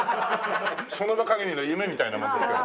その場限りの夢みたいなもんですよ。